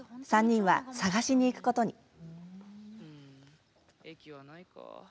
３人は探しに行くことに。